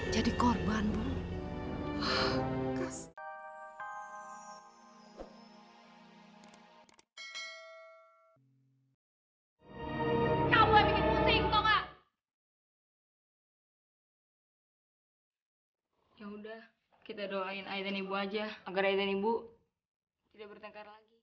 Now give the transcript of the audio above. jadi korban pak